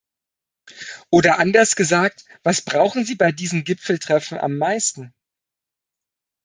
Oder anders gesagt, was brauchen Sie bei diesen Gipfeltreffen am meisten?